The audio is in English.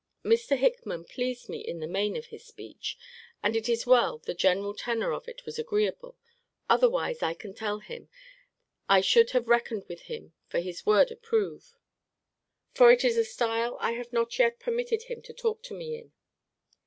Mr. Hickman pleased me in the main of his speech; and it is well the general tenor of it was agreeable; otherwise I can tell him, I should have reckoned with him for his word approve; for it is a style I have not yet permitted him to talk to me in.